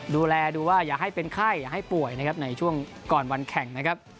ดูแลดูว่าอย่าให้เป็นไข้อย่าให้ป่วยนะครับในช่วงก่อนวันแข่งนะครับ